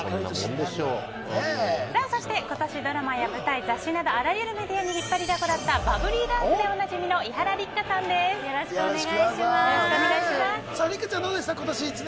そして今年ドラマや舞台、雑誌などあらゆるメディアに引っ張りだこだったバブリーダンスでおなじみの六花ちゃん